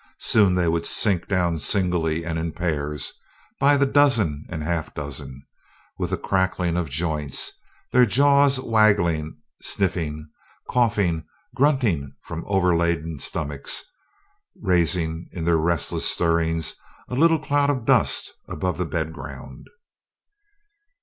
Soon they would sink down singly and in pairs, by the dozen and half dozen, with a crackling of joints, their jaws waggling, sniffing, coughing, grunting from overladen stomachs, raising in their restless stirrings a little cloud of dust above the bed ground.